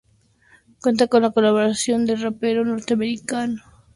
Cuenta con la colaboración del rapero norteamericano T-Pain.